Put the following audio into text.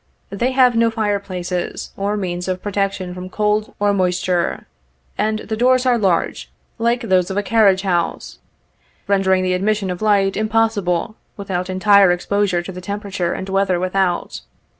They have no fire places or means of protection from cold or moisture, and the doors are large, like those of a carriage house, rendering the admission of light impossible without entire exposure to the temperature and weather without.